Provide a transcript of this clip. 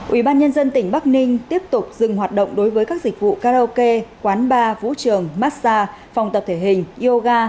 ubnd tỉnh bắc ninh tiếp tục dừng hoạt động đối với các dịch vụ karaoke quán bar vũ trường massage phòng tập thể hình yoga